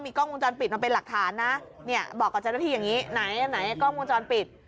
บอกกับเจ้าหน้าที่อย่างนี้ไหนไหนก็มุมจรปิด